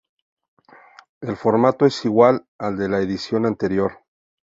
El formato es igual al de la edición anterior.